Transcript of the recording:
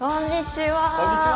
こんにちは。